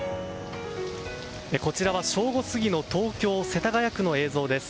こちらは正午過ぎの東京・世田谷区の映像です。